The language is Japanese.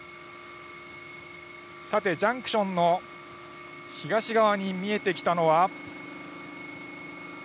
さて、ジャンクションの東側に見えてきたのは。